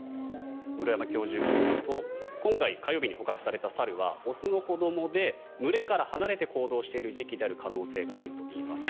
室山教授によりますと今回、火曜日に捕獲された猿は雄の子どもで群れから離れて行動している時期である可能性があるといいます。